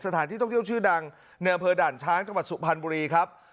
ที่ต้องเที่ยวชื่อดังเนื้อเผอดั่นช้างจังหวัดสุพันธ์บุรีครับ